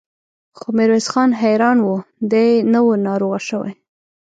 خو ميرويس خان حيران و، دی نه و ناروغه شوی.